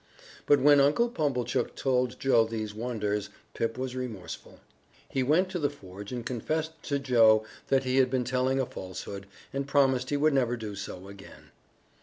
But when Uncle Pumblechook told Joe these wonders, Pip was remorseful. He went to the forge and confessed to Joe that he had been telling a falsehood, and promised he would never do so again.